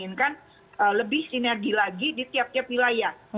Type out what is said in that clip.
kalau dari persis saya menginginkan lebih sinergi lagi di tiap tiap wilayah